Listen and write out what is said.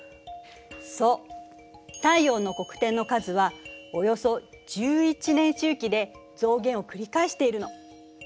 そう太陽の黒点の数はおよそ１１年周期で増減を繰り返しているの。